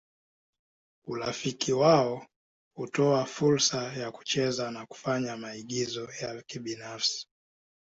Urafiki wao hutoa fursa ya kucheza na kufanya maagizo ya kibinafsi.